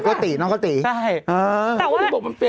อ๋อพี่ตีน้องพี่ตีอ๋อพี่ตีน้องพี่ตีใช่